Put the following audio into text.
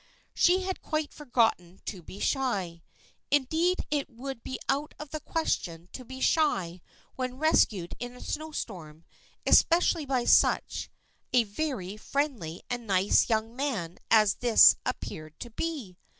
She had quite forgotten to be shy. Indeed it would be out of the question to be shy when rescued in a snow storm, especially by such a very friendly and nice young man as this appeared to be.